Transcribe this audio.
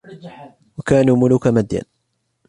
وَكَانُوا مُلُوكَ مَدْيَنَ